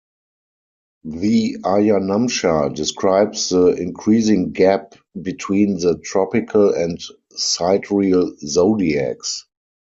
The ayanamsha describes the increasing gap between the tropical and sidereal zodiacs.